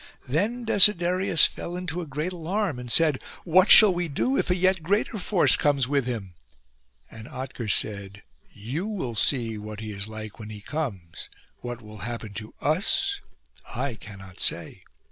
Then Desiderius fell into great alarm and said, "What shall we do if a yet greater force comes with him ?" And Otker said, "You will see what he is like when he comes. What will happen to us I cannot say."